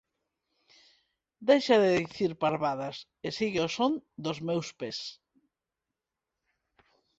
“Deixa de dicir parvadas, e sigue o son dos meus pés”.